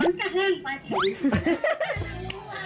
มันก็เฮิ่งไปอีก